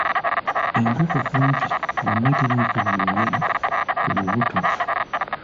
Enkoko kumpi yonna teriiko byoya ku kubuto!